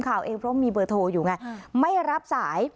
เพราะว่ามีเบอร์โทรอยู่ไงไม่รับสาย